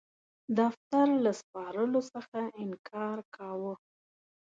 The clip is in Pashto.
دفتر له سپارلو څخه انکار کاوه.